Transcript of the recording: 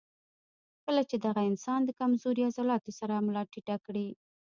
کله چې دغه انسان د کمزوري عضلاتو سره ملا ټېټه کړي